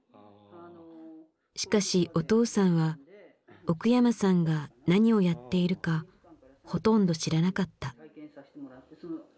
しかしお父さんは奥山さんが何をやっているかほとんど知らなかった。